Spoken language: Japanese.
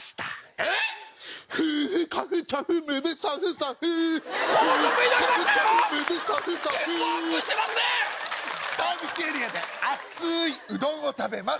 サービスエリアで熱いうどんを食べます！